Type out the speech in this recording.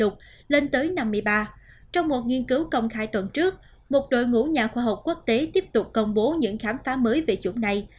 các ngũ nhà khoa học quốc tế tiếp tục công bố những khám phá mới về chủng này